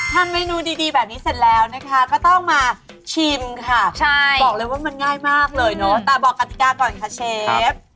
ทำเมนูดีแบบนี้เสร็จแล้วนะคะก็ต้องมาชิมค่ะบอกเลยว่ามันง่ายมากเลยเนอะแต่บอกกติกาก่อนค่ะเชฟ